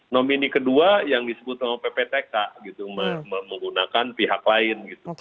nomini kedua yang disebut dengan ppatk gitu menggunakan pihak lain gitu